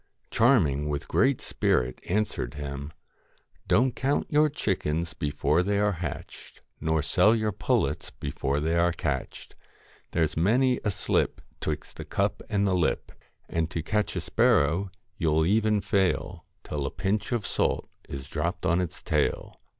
' Charming with great spirit answered him 1 Don't count your chickens before they are hatched, THE FAlfc Nor sell your pullets before they are catched. wI5 There is many a slip rni APNT Twixt the cup and the lip. LOCKS And to catch a sparrow you '11 even fail Till a pinch of salt is dropped on its tail.'